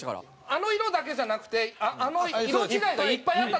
あの色だけじゃなくてあの色違いがいっぱいあった？